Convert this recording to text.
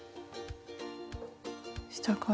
下から。